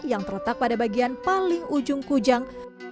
yang terletak pada bagian paling ujung kujang